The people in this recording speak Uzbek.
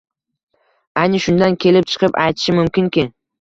Ayni shundan kelib chiqib, aytishim mumkinki